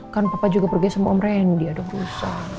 kan papa juga pergi sama om randy ada busa